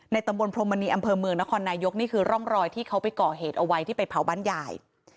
ตำบลพรมมณีอำเภอเมืองนครนายกนี่คือร่องรอยที่เขาไปก่อเหตุเอาไว้ที่ไปเผาบ้านยาย